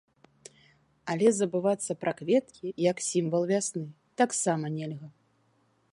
Але забывацца пра кветкі як сімвал вясны таксама нельга!